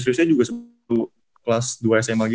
selesainya juga satu kelas dua sma gitu